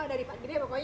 dari pagi ya pokoknya